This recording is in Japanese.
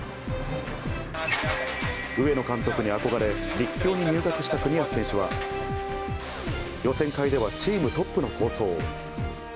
上野監督に憧れ、立教に入学した國安選手は、予選会ではチームトップの好走。